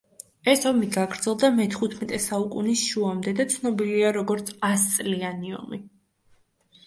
ეს ომი გაგრძელდა მეთხუთმეტე საუკუნის შუამდე და ცნობილია როგორც ასწლიანი ომი.